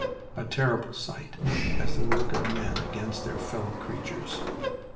A terrible sight, as the work of men against their fellow creatures...